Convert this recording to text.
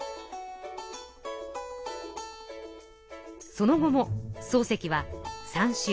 その後も漱石は「三四郎」